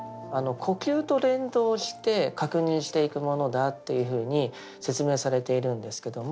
呼吸と連動して確認していくものだというふうに説明されているんですけども。